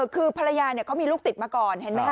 คือภรรยาเขามีลูกติดมาก่อน